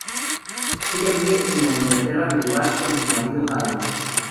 Ella vive en la Inglaterra medieval con su marido Harold.